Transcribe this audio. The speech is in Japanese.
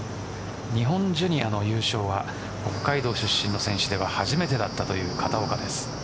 日本ジュニアの優勝は北海道出身の選手では初めてだったという片岡です。